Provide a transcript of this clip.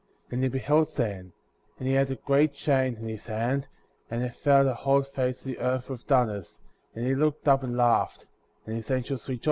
26. And he beheld Satan;* and he had a great chain in his hand, and it veiled the whole face of the earth with darkness ; and he looked up and laughed,^ and his angels rejoiced.